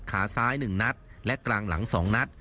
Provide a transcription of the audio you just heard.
ขาซ้าย๑นัดและกลางหลัง๒นัด